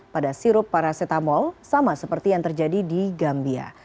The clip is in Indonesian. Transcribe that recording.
pada sirup paracetamol sama seperti yang terjadi di gambia